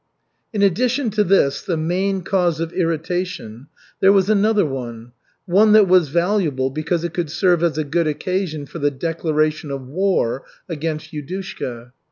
In addition to this, the main cause of irritation, there was another one, one that was valuable because it could serve as a good occasion for the declaration of war against Yudushka.